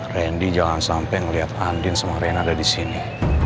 randy jangan sampai melihat andin sama reina ada disini